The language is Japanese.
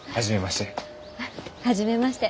初めまして。